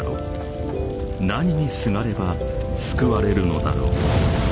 ［何にすがれば救われるのだろう］